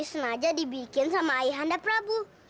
senaja dibikin sama ayhanda prabu